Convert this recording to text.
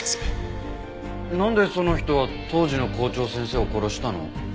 なんでその人は当時の校長先生を殺したの？